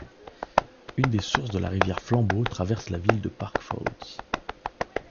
Une des sources de la rivière Flambeau traverse la ville de Park Falls.